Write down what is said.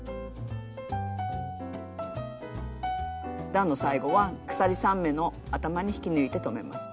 段の最後は鎖３目の頭に引き抜いて止めます。